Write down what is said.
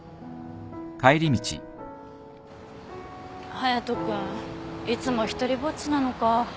隼人君いつも独りぼっちなのか。